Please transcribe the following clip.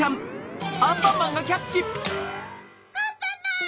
アンパンマン！